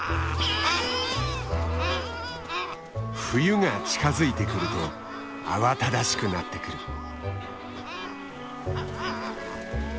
冬が近づいてくると慌ただしくなってくる。